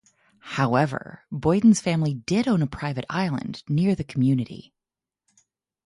However, Boyden's family did own a private island near the community.